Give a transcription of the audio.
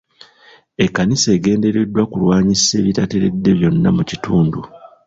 Ekkanisa egendereddwa kulwanyisa ebitateredde byonna mu kitundu.